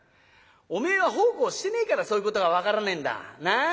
「おめえは奉公してねえからそういうことが分からねえんだ。